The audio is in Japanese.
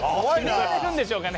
決められるんでしょうかね。